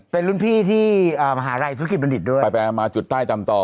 เป็นหลุงพี่มหาว์ไรศุฑิษฐ์บรรดิสด้วย